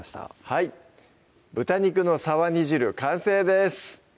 はい「豚肉の沢煮汁」完成です